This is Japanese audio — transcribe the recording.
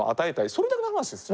それだけの話ですよ。